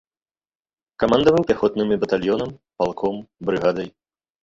Камандаваў пяхотнымі батальёнам, палком, брыгадай.